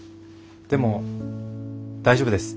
でも大丈夫です。